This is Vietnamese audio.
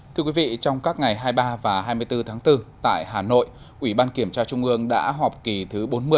thưa quý vị trong các ngày hai mươi ba và hai mươi bốn tháng bốn tại hà nội ủy ban kiểm tra trung ương đã họp kỳ thứ bốn mươi